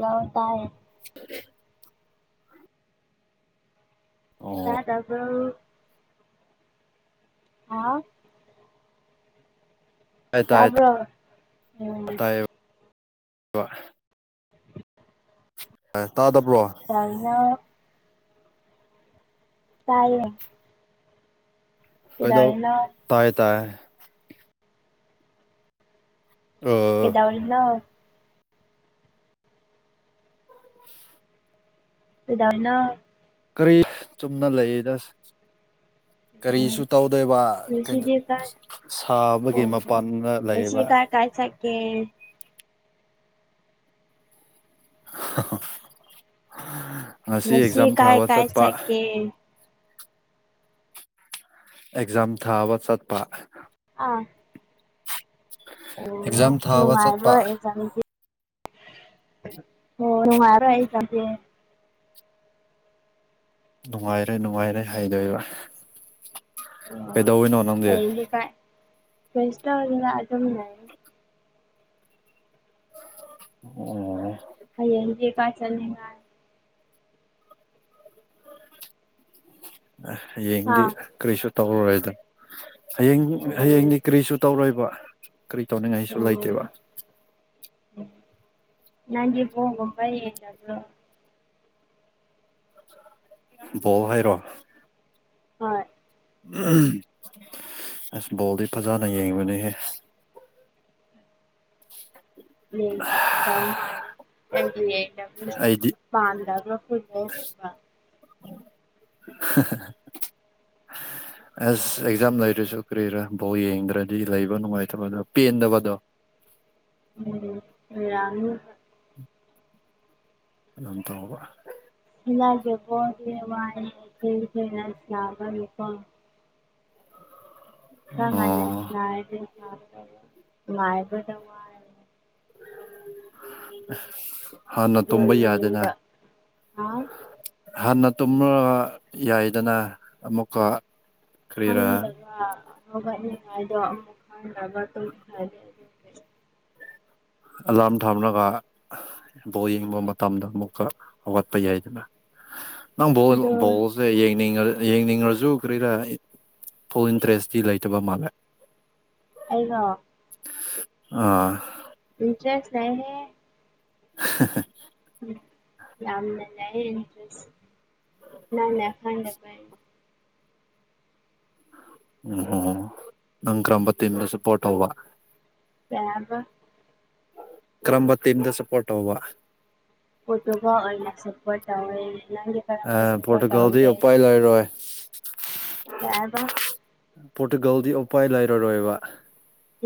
ꯂ ꯇꯔ ꯍ [unintelligible] ꯇ ꯑꯣ ꯇꯕ ꯑ ꯇꯥꯏ ꯇꯥꯏ ꯇꯕ ꯎꯝ ꯀ ꯇꯥꯗꯕ꯭ꯔꯣ ꯑꯩꯅ ꯇꯌꯦꯦ ꯀꯩꯗꯧ ꯇꯌꯦ ꯇꯌꯦ ꯑꯦꯗ ꯑꯣꯏꯔꯅꯣ ꯑꯗꯨꯅ ꯀꯔꯤ ꯆꯨꯝꯅ ꯂꯩꯔꯤꯗꯁ ꯎꯝ ꯀꯔꯤꯁꯨ ꯇꯧꯗꯣꯏꯕ ꯉꯁꯤꯗꯤ ꯀꯥꯏ ꯁꯥꯕꯒꯤ ꯃꯄꯥꯟꯅ ꯂꯩꯕ ꯀꯦ ꯉꯁꯤ ꯑꯦꯛꯖꯥꯝ ꯀꯥꯏ ꯊꯥꯕ ꯀꯥꯏ ꯆꯠꯄ ꯆꯠꯀꯦ ꯑꯦꯛꯖꯥꯝ ꯊꯥꯕ ꯆꯠꯄ ꯑꯥ ꯑꯣ ꯑꯦꯛꯖꯥꯝ ꯊꯥꯕ ꯆꯠꯄ ꯅꯨꯡꯉꯥꯏꯔꯣꯏ ꯑꯦꯖꯝꯗꯤ ꯍꯨꯃꯔ ꯑ ꯆꯗ ꯅꯨꯡꯉꯥꯏꯔꯦ ꯅꯨꯡꯉꯥꯏꯔꯦ ꯍꯥꯏꯗꯣꯏꯕ ꯑꯣ ꯀꯩꯗꯧꯅꯣ ꯅꯪꯗꯤ ꯁꯇ ꯑꯗꯝ ꯃ ꯑꯣꯝ ꯍꯌꯦꯌꯦꯗ ꯄꯥ ꯆꯅꯦꯉ ꯍꯥ ꯍꯌꯦꯡꯗꯤ ꯀꯔꯤꯁꯨ ꯇꯧꯔꯔꯣꯏꯗꯅ ꯍꯌꯦꯡ ꯑꯣ ꯍꯌꯦꯡꯗꯤ ꯀꯔꯤꯁꯨ ꯇꯧꯔꯣꯏꯕ ꯀꯔꯤ ꯇꯧꯅꯤꯡꯉꯥꯏꯁꯨ ꯂꯩꯇꯦꯕ ꯅꯪ ꯄꯒꯣ ꯄꯥꯏ ꯑꯦꯗꯣ ꯕꯣ ꯍꯥꯏꯔꯣ ꯍꯣꯏ ꯑꯁ ꯕꯣꯜꯗꯤ ꯐꯖꯅ ꯌꯦꯡꯕꯅꯤꯍꯦ [unintelligible] ꯌꯦ ꯇꯧ ꯃꯥ ꯇꯪ ꯌꯦ ꯑꯩꯗꯤ ꯄꯥꯟꯗꯕ ꯐ [unintelligible] ꯑꯁ ꯑꯦꯛꯖꯥꯝ ꯂꯩꯔꯁꯨ ꯀꯔꯤꯔꯥ ꯕꯧ ꯌꯦꯡꯗ꯭ꯔꯗꯤ ꯂꯩꯕ ꯅꯨꯡꯉꯥꯏꯇꯕꯗꯣ ꯄꯦꯟꯗꯕꯗꯣ [unintelligible] ꯎꯝ ꯌꯥꯅꯤ ꯑꯗꯨꯝ ꯇꯧꯕ [unintelligible] ꯑꯣ ꯑꯉꯁ ꯃꯗ ꯋꯥ [unintelligible] ꯍꯥꯟꯅ ꯕꯣꯜ ꯇꯨꯝꯕ ꯌꯥꯗꯅ ꯌꯦꯡꯅꯤꯡꯕ ꯍꯥ ꯍꯥꯟꯅ ꯇꯨꯝꯃ ꯌꯥꯏꯗꯅ ꯑꯃꯨꯛꯀ ꯀꯔꯤꯔꯥ ꯍꯪꯕꯅꯤ ꯍꯥꯏꯗꯣ ꯌꯥꯕ ꯇ ꯍꯥꯏ ꯑꯂꯥ꯭ꯔꯝ ꯊꯝꯔꯒ ꯕꯣꯔ ꯌꯦꯡꯕ ꯃꯇꯝꯗ ꯑꯃꯨꯛꯀ ꯍꯧꯒꯠꯄ ꯌꯥꯏꯗꯅ ꯅꯪ ꯕꯣꯜ ꯑꯗꯣ ꯕꯣꯜꯁꯦ ꯌꯦꯡꯅꯤꯡ ꯌꯦꯡꯅꯤꯡꯉꯁꯨ ꯀꯔꯤꯔ ꯐꯨꯜ ꯏꯟꯇ꯭ꯔꯦꯁꯇꯤ ꯂꯩꯇꯕ ꯃꯥꯜꯂꯦ ꯑꯩꯅꯥ ꯑꯥ ꯄꯔꯤꯟꯁꯦꯁ ꯅꯦꯍꯦ ꯑꯥꯍꯥ ꯍꯥ ꯌꯥꯝꯅ ꯂꯩ ꯅ ꯂꯗ ꯄ ꯎꯝ ꯍ ꯅꯪ ꯀꯔꯝꯕ ꯇꯤꯟꯗꯣꯁꯨꯄꯣꯔꯠ ꯇꯧꯕ ꯌꯥꯝꯕ ꯀꯔꯝꯕ ꯇꯗ ꯁꯄꯣꯔ ꯋꯥꯕ ꯇꯧꯦ [inaudible] [unintelligible] ꯑ ꯄꯣꯇꯣꯒꯜꯗ ꯑꯣꯄꯄꯥ ꯂꯥꯏꯔꯣꯦ ꯀꯌꯥꯕ [inaudible] ꯄꯣꯔꯇꯨꯒꯜꯗꯤ ꯎꯄꯥꯏ ꯂꯩꯔꯔꯣꯏꯕ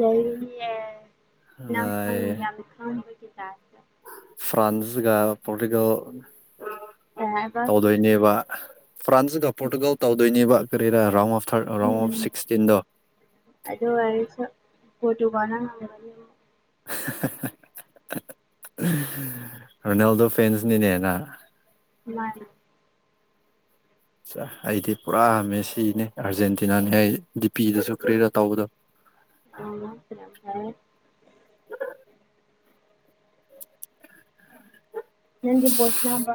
ꯂꯩ ꯌꯥꯝꯝ ꯈꯤ ꯑꯗꯨꯅ ꯌꯥꯝꯝ ꯈꯪꯕꯒꯤꯗ ꯐ꯭ꯔꯥꯟꯁꯒ ꯄꯣꯂꯤꯇꯤꯀꯦꯜ ꯀꯩꯍꯥꯏꯕ ꯇꯧꯗꯣꯏꯅꯦꯕ ꯐ꯭ꯔꯥꯟꯁꯒ ꯄꯣꯔꯇꯨꯒꯜ ꯇꯧꯗꯣꯏꯅꯦꯕ ꯀꯔꯤꯔꯥ ꯔꯥꯎ of third round um of ꯁꯤꯛꯁꯇꯤꯟꯗꯣ ꯀꯣ ꯇꯨ ꯋꯥꯅ [unintelligible] [inaudible] [unintelligible] [inaudible] ꯔꯣꯅꯥꯜꯗꯣ ꯐꯦꯟꯁ ꯅꯅꯦꯅ ꯃꯥꯅꯤ ꯑꯩꯗꯤ ꯄꯨꯔꯥ ꯍꯥꯝꯃꯦ ꯁꯤꯅꯤ ꯑꯥꯔꯖꯦꯟꯇꯤꯅꯥꯅꯦ ꯑꯩ ꯄꯤꯗꯁꯨ ꯀꯔꯤꯗ ꯇꯧꯕꯗꯣ ꯅꯪꯒꯤ ꯄꯣꯁꯅ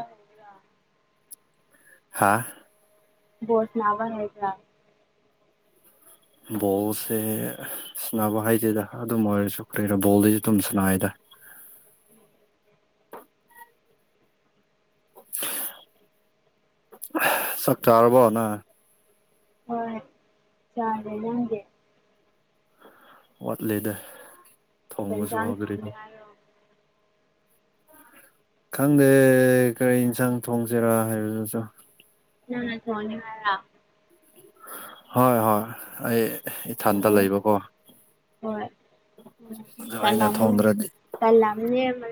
ꯍꯥꯥ [inaudible] ꯣꯁꯅꯥꯕ ꯍꯥꯏꯦꯖ꯭ꯔ [inaudible] ꯕꯣꯜꯁꯦ ꯁꯅꯕ ꯍꯥꯏꯗꯦꯗ ꯑꯗꯨꯝ ꯑꯣꯏꯔꯁꯨ ꯀꯔꯤꯔꯥ ꯕꯣꯜꯗꯩꯁꯨ ꯑꯗꯨꯝ ꯁꯥꯟꯅꯏꯗ [unintelligible] [inaudible] ꯆꯛꯇꯥꯔꯔꯕꯣꯅ ꯍꯣꯏ ꯆꯥꯂꯦ ꯌꯥꯪꯒꯦ ꯋꯥꯠꯂꯤꯦꯗ ꯀꯩ ꯊꯣꯡꯕꯁꯨ ꯏꯟꯖꯥꯡ ꯊꯣꯡꯅꯤ ꯍꯧꯗ꯭ꯔꯤꯗ ꯍꯥꯏꯔꯣ ꯈꯪꯗꯦ ꯀꯔꯤ ꯌꯦꯟꯁꯥꯡ ꯊꯣꯡꯁꯤꯔꯥ ꯍꯥꯏꯕꯗꯨꯁꯨ ꯑ ꯁꯣꯅꯤꯉꯔ ꯍꯣꯏ ꯍꯣꯏ ꯑꯩ ꯏꯊꯟꯇ ꯍꯣꯏ ꯂꯩꯕꯀꯣ ꯎꯝ ꯑꯗꯨ ꯇ ꯑꯩꯅ ꯂꯝ ꯑꯃꯅꯤ ꯊꯣꯡꯗ꯭ꯔꯗꯤ ꯇ ꯂꯝ ꯑꯃꯅꯤ ꯃ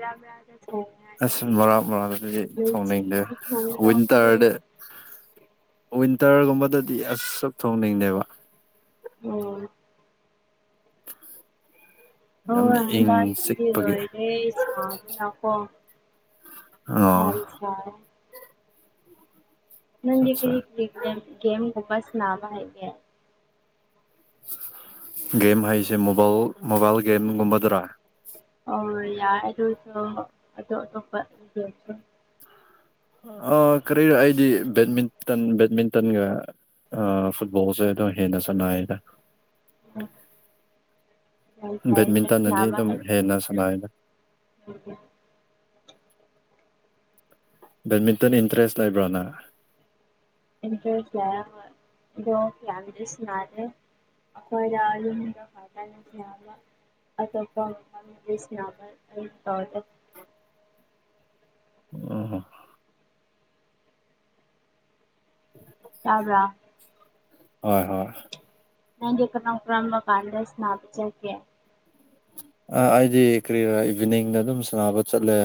ꯑꯁꯤ ꯃꯔꯥ ꯃꯔꯥꯡꯗꯤ ꯊꯣꯡꯅꯤꯡꯗꯦ ꯅꯨꯡꯇꯤꯒꯤ ꯊꯣꯡꯒꯗꯧꯕꯗꯣ ꯋꯤꯟꯇꯔꯗ ꯋꯤꯟꯇꯔꯒꯨꯝꯕꯗꯗꯤ ꯑꯛ ꯊꯣꯡꯅꯤꯡꯗꯦꯕ ꯑꯣ [unintelligible] [inaudible] [unintelligible] [inaudible] ꯃꯣꯏ ꯏꯪ ꯏꯝꯐꯥꯜ ꯁꯤꯗꯤ ꯆꯤꯛꯄꯒꯤ ꯂꯣꯏꯔꯦ ꯁꯥꯕꯅ ꯀꯣ ꯑꯣ ꯀꯌꯥꯝ ꯁꯥꯏ ꯅꯪꯗꯤ ꯑꯠꯆꯥ ꯀꯔꯤ ꯒꯦꯝ ꯁꯅꯥꯕ ꯍꯩꯒꯦ ꯒꯦꯝ ꯍꯥꯏꯁꯦ ꯃꯣꯕꯥꯏꯜ ꯃꯣꯕꯥꯏꯜ ꯒꯦꯝꯒꯨꯝꯕꯗꯔꯥ ꯍꯣꯏ ꯌꯥꯏ ꯑꯗꯨ ꯑꯣꯏꯔꯁꯨ ꯑꯇꯣꯞ ꯑꯇꯣꯞꯄ ꯒꯝ ꯁꯨ ꯑ ꯀꯔꯤꯅꯣ ꯑꯩꯗꯤ ꯕꯦꯠꯃꯤꯟꯇꯟ ꯕꯦꯠꯃꯤꯟꯇꯟꯒ ꯑ ꯐꯨꯠꯕꯣꯜꯁꯦ ꯑꯗꯨꯝ ꯍꯦꯟꯅ ꯁꯥꯅꯩꯗ ꯎꯝ [unintelligible] [inaudible] ꯌꯥꯝ ꯐꯩꯅꯦ ꯑꯗꯨ ꯕꯦꯠꯃꯤꯟꯇꯟꯅꯗꯤ ꯁꯥꯅꯕꯥ ꯑꯗꯨꯝ ꯍꯦꯟꯅ ꯍꯩꯕꯗꯣ [inaudible] ꯁꯥꯟꯅꯩꯗ ꯕꯦꯠꯃꯤꯟꯇꯟ ꯏꯟꯇꯔꯦꯁ ꯂꯩꯕ꯭ꯔꯥ ꯅꯪ ꯏꯟꯇꯔ ꯀꯌꯥ ꯂ ꯑꯗꯣ ꯀꯌꯥꯗꯤ ꯁꯅꯗꯦ ꯑꯩꯈꯣꯏ ꯌꯥꯗ ꯐꯥꯇ ꯌꯥ ꯑꯇꯣꯞꯄꯁꯅꯥꯃ ꯇ ꯎ ꯇꯥꯕ꯭ꯔꯥ ꯍꯣꯏ ꯍꯣꯏ ꯅꯗꯤ ꯑꯦꯔ ꯑꯣ꯭ꯔꯝꯕ ꯀꯥꯥꯟꯗ ꯁꯅ ꯍꯥꯀꯦ ꯑ ꯑꯩꯗꯤ ꯀꯔꯤ ꯏꯚꯤꯅꯤꯡꯗ ꯑꯗꯨꯝ ꯁꯥꯟꯅꯕ ꯆꯠꯂꯦ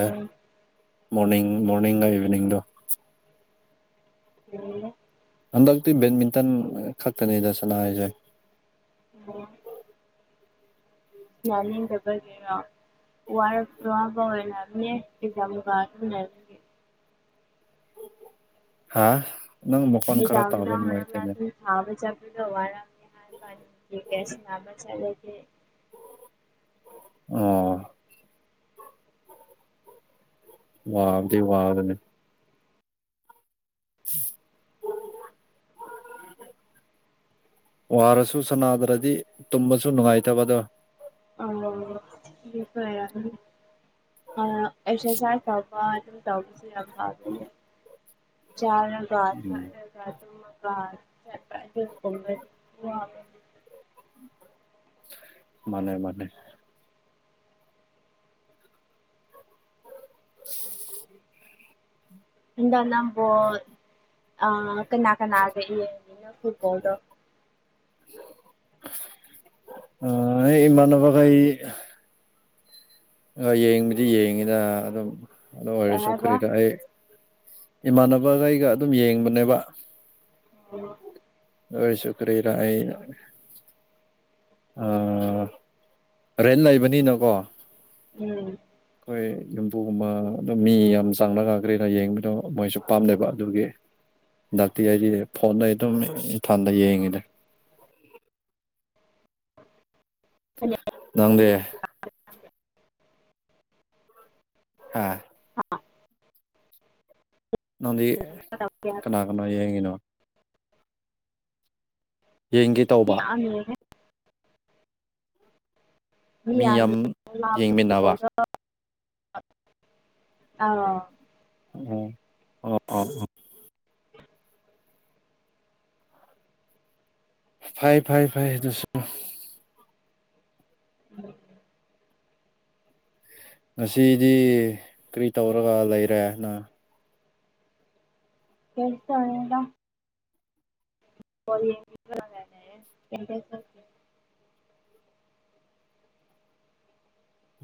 ꯃꯣꯔꯅꯤꯡ ꯃꯣꯔꯅꯤꯡꯒ ꯏꯚꯤꯅꯤꯡꯗꯣ ꯎꯝ ꯍꯟꯗꯛꯇꯤ ꯕꯦꯠꯃꯤꯟꯇꯟ ꯈꯛꯇꯅꯤꯗ ꯁꯅꯥ ꯔꯤꯁꯦ ꯑꯣ ꯌꯥꯅꯤꯡꯗꯕꯒꯤꯔꯣ ꯋꯥꯔ ꯄ꯭ꯔꯣꯕꯅ ꯌꯥꯝ ꯍꯥꯥ ꯑꯦꯖꯥꯎꯗ ꯍꯔ ꯊꯥꯕ ꯆꯗ ꯑꯋꯥ ꯄꯒꯁ ꯃꯁꯂꯦ ꯑ ꯋꯥꯕꯗꯤ ꯋꯥꯕꯅꯦ [unintelligible] ꯋꯥꯔꯁꯨ ꯁꯅꯥꯗ꯭ꯔꯗꯤ ꯇꯨꯝꯕꯁꯨ ꯅꯨꯡꯉꯥꯏꯇꯕꯗꯣ ꯑꯣ ꯀ ꯑꯁꯁꯥꯏ ꯇ ꯄꯥ ꯑꯗꯨ ꯇꯥꯃꯁꯤ ꯑꯈꯥꯕꯅꯤ ꯆꯥꯔꯒꯒꯥꯊ ꯎꯝ ꯒꯥꯊ ꯑ ꯆ ꯃꯥꯅꯦ ꯃꯅꯦ [unintelligible] ꯅꯨꯡꯗꯥꯡ ꯅꯥ ꯕꯥꯜ ꯑ ꯀꯅꯥ ꯀꯅꯥꯒꯅꯤꯅ ꯐꯨꯠꯕꯣꯜꯗꯣ ꯑ ꯏꯃꯥꯟꯅꯕꯒ ꯑꯩ ꯑ ꯌꯦꯡꯕꯗꯤ ꯌꯦꯡꯉꯤꯗ ꯑꯗꯨꯝ ꯑꯗꯨ ꯀꯩ ꯑꯣꯏꯔꯁꯨ ꯍꯥꯏꯕ ꯀꯔꯤꯗ ꯑꯩ ꯏꯃꯥꯟꯅꯕꯒꯩꯒ ꯑꯗꯨꯝ ꯌꯦꯡꯕꯅꯦꯕ ꯑ ꯑꯁ ꯀꯔꯤꯔ ꯑꯩ ꯑ ꯔꯦꯟꯠ ꯂꯩꯕꯅꯤꯅꯀꯣ ꯎꯝ ꯑꯩꯈꯣꯏ ꯌꯨꯝꯕꯨꯒꯨꯝꯕ ꯑꯗꯨꯝ ꯃꯤ ꯌꯥꯝ ꯆꯥꯡꯅ ꯉꯥꯛꯈ꯭ꯔꯦꯅ ꯌꯦꯡꯕꯗꯣ ꯃꯣꯏꯁꯨ ꯄꯥꯝꯅꯕ ꯑꯗꯨꯒꯤ ꯍꯟꯗꯛꯇꯤ ꯑꯩꯗꯤ ꯐꯣꯟꯗ ꯑꯗꯨꯝ ꯏꯟꯊꯜꯗ ꯌꯦꯡꯉꯤꯅꯦ ꯅꯪꯗꯤ ꯍꯥꯥ ꯅꯪꯗꯤ ꯀꯅꯥ ꯀꯅꯥꯣ ꯌꯦꯡꯉꯤꯅꯣ ꯌꯦꯡꯒꯦ ꯇꯧꯕ ꯃꯤ ꯌꯥꯒ ꯌꯦꯡꯃꯤꯟꯅꯕ ꯑꯥ ꯎꯝ ꯐꯚ ꯐꯥꯏ ꯐꯥꯏꯣ ꯎꯝ [unintelligible] ꯉꯁꯤꯗꯤ ꯀꯔꯤ ꯇꯧꯔꯒ ꯂꯩꯔꯦꯅ ꯀꯦꯁ ꯑꯣꯏꯅꯤꯡꯗ ꯀ ꯀꯩꯦ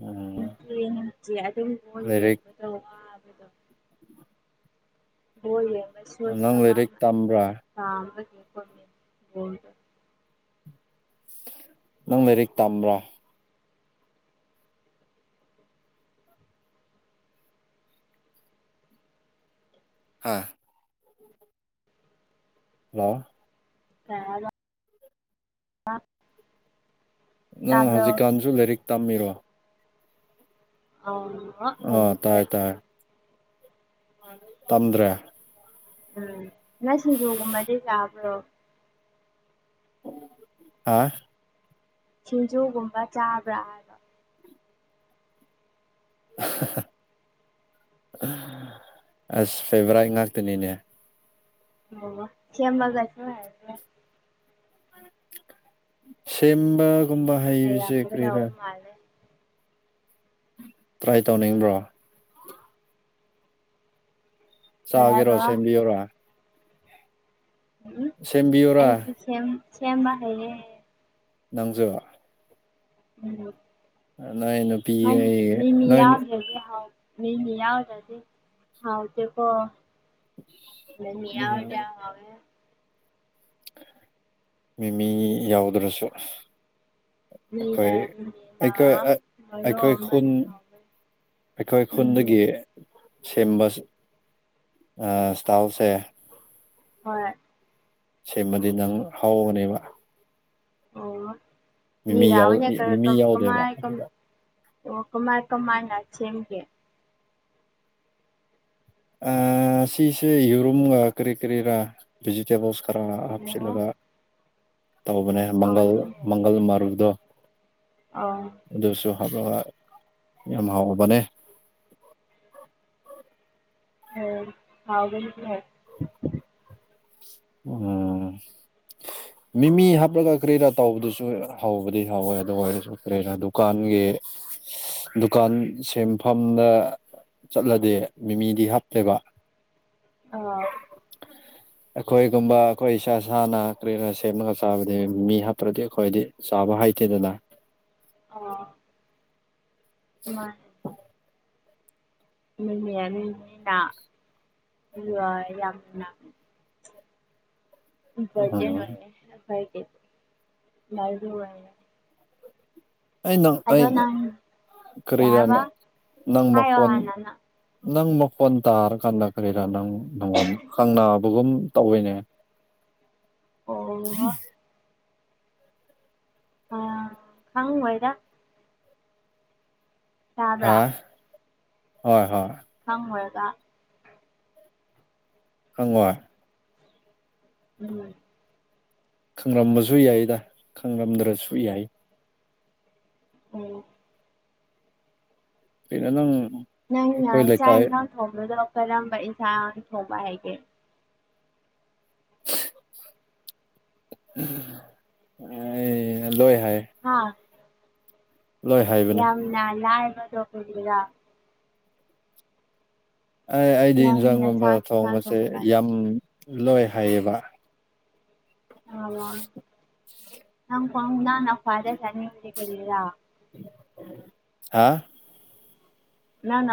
ꯎꯝ ꯠꯇ ꯑꯗꯨꯝꯣꯜꯦꯗ ꯂꯥꯏꯔꯤꯛ ꯍꯣꯦꯕꯁꯨꯣ ꯅꯪ ꯊ ꯗ ꯂꯥꯏꯔꯤꯛ ꯇꯝꯕ꯭ꯔꯥ ꯅꯪ ꯂꯥꯏꯔꯤꯛ ꯇꯝꯕ꯭ꯔꯥ ꯍꯥꯥ ꯍꯥ ꯑ ꯑ ꯅꯪ ꯍꯧꯖꯤꯛꯀꯥꯟꯁꯨ ꯂꯥꯏꯔꯤꯛ ꯇꯝꯃꯤꯔꯣ ꯑ ꯑ ꯇꯥꯏ ꯇꯝꯕꯤꯒꯦ ꯇꯥꯏ ꯇꯥꯟꯗ꯭ꯔꯦ ꯎꯝ ꯁꯤ ꯌꯒꯨꯝ ꯃꯥꯗꯤ ꯆꯥꯕ꯭ꯔꯣ ꯑ ꯁꯤꯡꯖꯨꯒꯨꯝꯕ ꯆꯥꯕ꯭ꯔꯥ ꯍꯥꯏꯕ [unintelligible] ꯑꯁ ꯐꯦꯕꯔꯥꯏꯠ ꯉꯥꯛꯇꯅꯤꯅꯦ ꯑꯣ ꯁꯦꯝꯃꯒ ꯁꯦꯝꯕꯒꯨꯝꯕ ꯍꯩꯁꯦ ꯀꯔꯤꯔꯥ ꯍꯩꯔꯝꯒꯗꯧꯕ ꯃꯥꯜꯂꯦ ꯇ꯭ꯔꯥꯏ ꯇꯧꯅꯤꯡꯕ꯭ꯔꯣ ꯀꯩ ꯆꯥꯒꯦꯔꯣ ꯍꯥꯏꯕ ꯁꯦꯝꯕꯤꯔꯣ ꯎ ꯁꯦꯝꯕꯤꯌꯣꯔꯥ ꯑꯩꯁꯨ ꯁꯦꯝ ꯁꯦꯝꯕ ꯍꯥꯏꯌꯦ ꯅꯪꯖ ꯅꯨꯄꯤꯒꯤ ꯎꯃꯤ ꯅꯣꯏ ꯌꯥꯗ ꯂꯩꯒꯦꯥꯎ ꯃꯤ ꯌꯥ ꯇꯗꯤ ꯍꯥꯎꯗ ꯄꯣ ꯃ ꯌꯥ ꯌꯥꯦ ꯃꯤꯃꯤ ꯌꯥꯎꯗ꯭ꯔꯁꯨ ꯑꯩꯈꯣꯏ ꯃꯤꯔ ꯃꯤꯃꯤꯅ ꯑꯩꯈꯣꯏ ꯃꯔꯣꯛ ꯑꯩꯈꯣꯏ ꯈꯨꯟ ꯑꯃꯅꯦ ꯍꯥꯎꯕꯅꯦ ꯑꯩꯈꯣꯏ ꯎꯝ ꯈꯨꯟꯗꯒꯤ ꯁꯦꯝꯕ ꯏꯁꯇꯥꯜꯁꯦ ꯍꯣꯏ ꯁꯦꯝꯃꯗꯤ ꯅꯪ ꯍꯥꯎꯕꯅꯦꯕ ꯑꯣ ꯅꯔꯅ ꯀ ꯃꯤꯃꯤ ꯀ ꯌꯥꯎꯗꯦꯕ ꯀꯃꯥꯏ ꯀꯝ ꯀꯃꯥꯏ ꯀ ꯃꯥꯥꯏ ꯉꯁꯦꯦꯝ ꯀ ꯁꯤꯁꯦ ꯌꯔꯨꯝꯒ ꯀꯔꯤ ꯀꯔꯤꯔꯥ ꯚꯤꯖꯤꯇꯦꯕꯜꯁ ꯈꯔ ꯍꯥꯞꯆꯤꯜꯂꯒ ꯇꯧꯕꯅꯦ ꯃꯪꯒꯜ ꯃꯪꯒꯜ ꯃꯔꯨꯗꯣ ꯑꯥ ꯐꯕ ꯌꯥꯝ ꯍꯥꯎꯕꯅꯦ ꯑꯣ ꯍꯥꯎꯒ ꯎꯝ ꯃꯤꯃꯤ ꯍꯥꯞꯄꯒ ꯀꯔꯤꯔꯥ ꯇꯧꯕꯗꯨꯁꯨ ꯍꯧꯕꯗꯤ ꯍꯧꯋꯦ ꯑꯗꯨ ꯑꯣꯏꯔꯁꯨ ꯀꯔꯤꯔꯥ ꯗꯨꯀꯥꯟꯒꯤ ꯗꯨꯀꯥꯟ ꯁꯦꯝꯦꯟꯐꯝꯗ ꯆꯠꯂꯗꯤꯦ ꯃꯤꯃꯤꯗꯤ ꯍꯥꯞꯇꯦꯕ ꯑꯥ ꯑꯩꯈꯣꯏꯒꯨꯝꯕ ꯑꯩꯈꯣꯏ ꯏꯁꯥ ꯏꯁꯅ ꯀꯔꯤꯅ ꯁꯦꯝꯂꯒ ꯆꯥꯕꯗꯤ ꯃꯤ ꯍꯥꯞꯄ꯭ꯔꯗꯤ ꯑꯩꯈꯣꯏꯗꯤ ꯆꯥꯕ ꯍꯥꯏ ꯀꯦꯗꯗ ꯃꯥ ꯅꯨꯅꯤꯅꯤꯅ ꯌꯥꯝ ꯖꯟ ꯎꯝ ꯑꯣꯏꯅꯦ ꯐꯥꯏ ꯀ ꯂ ꯑꯣꯏ ꯑꯩ ꯅꯪ ꯑꯩ ꯀꯩ ꯍꯥꯏꯕ ꯀꯔꯤꯔꯥꯅ ꯅꯪ ꯍꯥꯏꯌꯣ ꯃꯈꯣꯟ ꯍꯥꯟꯅ ꯅꯪ ꯅꯪ ꯃꯈꯣꯟ ꯇꯥꯔꯀꯥꯟꯗ ꯀꯔꯤꯔꯥ ꯅꯪ ꯅꯪꯉꯣꯟꯗ ꯈꯪꯅꯕꯒꯨꯝ ꯇꯧꯋꯤꯅꯦ ꯑꯣ ꯎꯝ ꯑ ꯍꯪ ꯑꯣꯏꯣꯏꯗ ꯌꯥꯕ꯭ꯔ ꯍꯥ ꯍꯣꯏ ꯍꯣꯏ ꯀ [unintelligible] [inaudible] ꯈꯪꯒꯋꯥꯔ ꯎꯝ [unintelligible] [inaudible] ꯈꯪꯂꯝꯝꯕꯁꯨ ꯌꯥꯏꯗ ꯈꯪꯔꯝꯗ꯭ꯔꯁꯨ ꯌꯥꯏ ꯎꯝ [unintelligible] [inaudible] ꯀꯩꯅ ꯅꯪ ꯅꯪꯅ ꯑꯩꯈꯣꯏ ꯏꯥꯛ ꯂꯩꯀꯥꯏ ꯏꯟꯁꯥꯡ ꯊꯣꯡꯕꯗꯣ ꯀꯔꯝꯕ ꯏꯁꯟꯥꯡ ꯊꯣꯡꯕ ꯍꯥꯏꯒꯦ [unintelligible] [inaudible] ꯑꯦ ꯂꯣꯏꯦ [unintelligible] [inaudible] ꯍꯥꯥ [unintelligible] [inaudible] ꯂꯣꯏ ꯍꯥꯏꯕꯅꯦ ꯌꯥꯝꯅ ꯂꯕ ꯇꯣꯄꯗꯒ ꯑꯦ ꯑꯩꯗꯤ ꯅꯪꯅ ꯌꯦꯟꯖꯥꯡꯒꯨꯝꯕ ꯆꯥꯛ ꯏꯟꯁꯥꯡ ꯊꯣꯡꯕꯁꯦ ꯊꯣꯡꯕ ꯀꯥꯟ ꯌꯥꯝ ꯂꯣꯏ ꯍꯥꯏꯌꯦꯕ ꯑ ꯅꯪ ꯐꯗ ꯐꯗꯦ ꯇꯅꯤꯦ ꯀꯔꯤꯗꯔꯥ ꯍꯥ [unintelligible] [inaudible] ꯅ ꯅ [unintelligible] [inaudible]